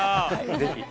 ぜひ！